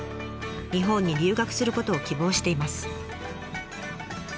日本に留学することを希望しています。